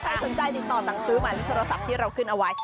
สนใจติดต่อสั่งซื้อหมายเลขโทรศัพท์ที่เราขึ้นเอาไว้